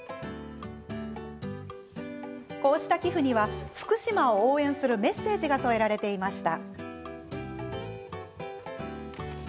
こうした寄付には福島を応援するメッセージが添えられていました。